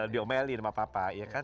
diomelin sama papa ya kan